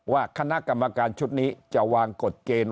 ว่าคณะกรรมการชุดนี้จะวางกฎเกณฑ์